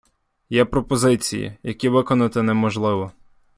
Є пропозиції, які виконати неможливо.